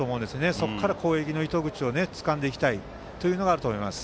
そこから攻撃の糸口をつかんでいきたいというのがあると思います。